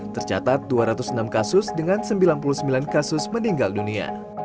tercatat dua ratus enam kasus dengan sembilan puluh sembilan kasus meninggal dunia